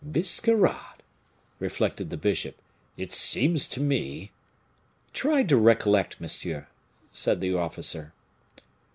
"Biscarrat!" reflected the bishop. "It seems to me " "Try to recollect, monsieur," said the officer.